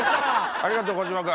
ありがとう小島君。